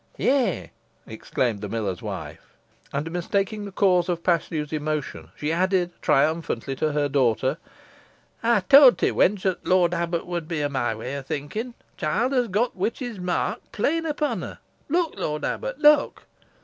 "Yeigh," exclaimed the miller's wife. And mistaking the cause of Paslew's emotion, she added, triumphantly, to her daughter, "Ey towd te, wench, ot t' lort abbut would be of my way o' thinking. T' chilt has got the witch's mark plain upon her. Look, lort abbut, look!"